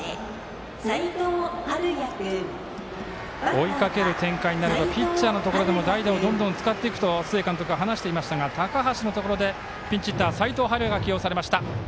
追いかける展開になればピッチャーのところでも代打をどんどん使っていくと須江監督は話していましたが高橋のところでピンチヒッター齋藤敏哉が起用されました。